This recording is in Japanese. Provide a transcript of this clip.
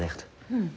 うん。